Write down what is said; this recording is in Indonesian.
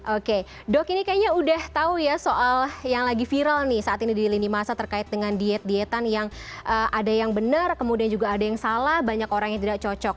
oke dok ini kayaknya udah tahu ya soal yang lagi viral nih saat ini di lini masa terkait dengan diet dietan yang ada yang benar kemudian juga ada yang salah banyak orang yang tidak cocok